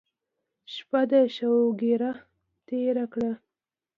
شپه دې شوګیره تېره کړه.